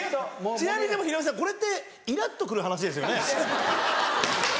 ちなみにヒロミさんこれって「イラっと来る話」ですよね？